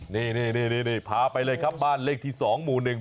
นี่พาไปเลยครับบ้านเลขที่สองหมู่หนึ่ง